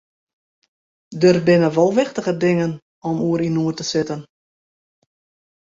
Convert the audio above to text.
Der binne wol wichtiger dingen om oer yn noed te sitten.